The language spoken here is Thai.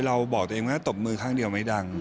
บอกตัวเองว่าตบมือข้างเดียวไม่ดัง